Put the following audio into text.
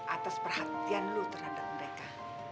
atas perhatian lo terhadap mereka